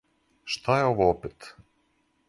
Шта је ово опет?